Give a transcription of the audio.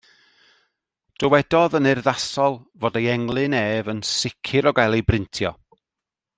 Dywedodd yn urddasol fod ei englyn ef yn sicr o gael ei brintio.